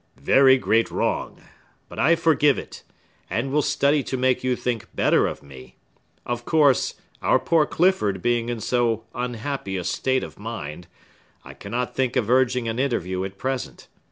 "Very great wrong! But I forgive it, and will study to make you think better of me. Of course, our poor Clifford being in so unhappy a state of mind, I cannot think of urging an interview at present.